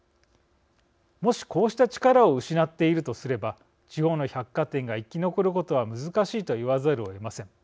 もし、こうした力を失っているとすれば地方の百貨店が生き残ることは難しいと言わざるをえません。